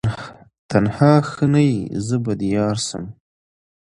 تنها ښه نه یې زه به دي یارسم